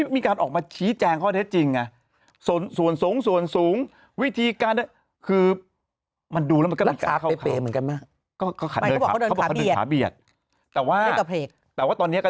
ไม่ใช่อีกแล้วนี่